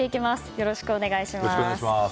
よろしくお願いします。